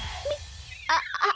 あっああ。